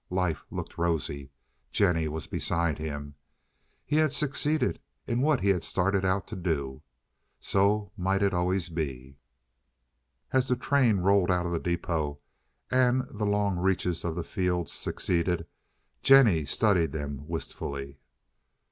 Life looked rosy. Jennie was beside him. He had succeeded in what he had started out to do. So might it always be. As the train rolled out of the depôt and the long reaches of the fields succeeded Jennie studied them wistfully.